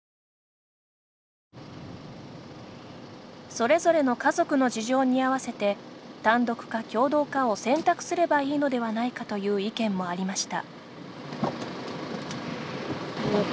それぞれの家族の事情に合わせて単独か共同かを選択すればいいのではないかという意見もありました。